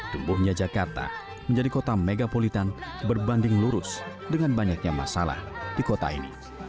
tumbuhnya jakarta menjadi kota megapolitan berbanding lurus dengan banyaknya masalah di kota ini